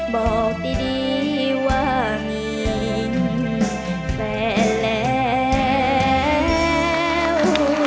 บอกดีว่ามีแฟนแล้ว